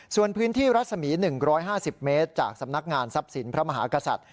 ส่วนพื้นที่รัศมี๑๕๐เมตรจากสำนักงานทรัพย์สินพระมหากษัตริย์